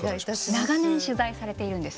長年取材されているんです。